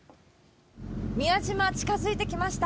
宮島、近づいてきました。